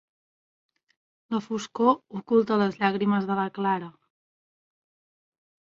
La foscor oculta les llàgrimes de la Clara.